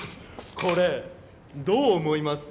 これどう思います？